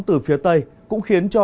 từ phía tây cũng khiến cho